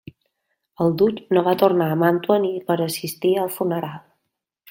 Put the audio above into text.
El duc no va tornar a Màntua ni per assistir al funeral.